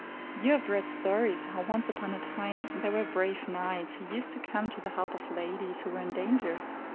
You have read stories, how once upon a time there were brave knights who used to come to the help of ladies who were in danger.